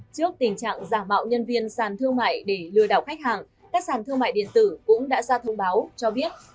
trước tình trạng giả mạo nhân viên sàn thương mại để lừa đảo khách hàng các sàn thương mại điện tử cũng đã ra thông báo cho biết